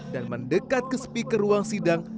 dan mendekat ke speaker ruang sidang